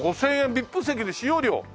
ＶＩＰ席で使用料？